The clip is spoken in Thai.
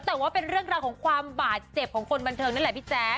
แต่ว่าเป็นเรื่องราวของความบาดเจ็บของคนบันเทิงนั่นแหละพี่แจ๊ค